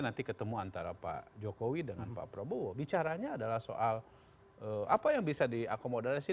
nanti ketemu antara pak jokowi dengan pak prabowo bicaranya adalah soal apa yang bisa diakomodasi